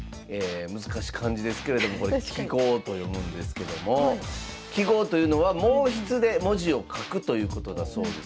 難しい漢字ですけれどもこれ揮毫と読むんですけども揮毫というのは毛筆で文字を書くということだそうです。